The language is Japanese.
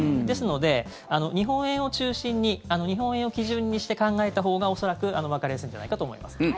ですので、日本円を中心に日本円を基準にして考えたほうが恐らく、わかりやすいんじゃないかと思います。